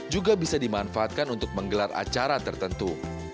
juga bisa dimanfaatkan untuk menggelar acara tertentu